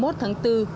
hai mươi một tháng bốn